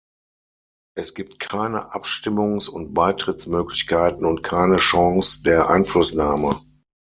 Es gibt keine Abstimmungs- und Beitrittsmöglichkeiten und keine Chance der Einflussnahme.